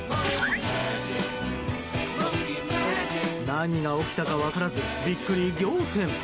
何が起きたか分からずビックリ仰天！